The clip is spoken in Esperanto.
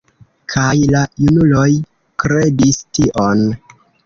Kaj la junuloj kredis tion.